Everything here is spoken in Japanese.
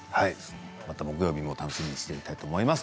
また木曜日も楽しみにしていたいと思います。